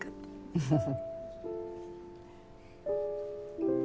フフフ。